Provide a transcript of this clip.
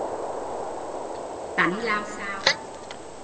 Tánh lạo xạo, gái không ưng